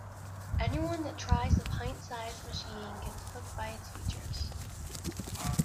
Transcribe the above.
Anyone that tries the pint-size machine gets hooked by its features.